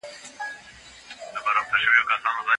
دغه حاجي تر پخوا دونه ډېر عبادت کوی چي حد نلري.